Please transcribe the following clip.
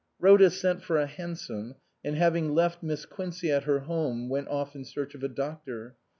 Rhoda sent for a hansom, and having left Miss Quincey at her home went off in search of a doctor.